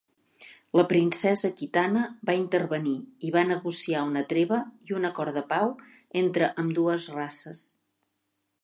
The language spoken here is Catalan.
La princesa Kitana va intervenir i va negociar una treva i un acord de pau entre ambdues races.